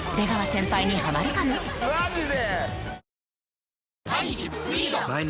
マジで？